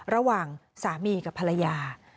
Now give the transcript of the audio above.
ระหว่างสามีกับภรรยา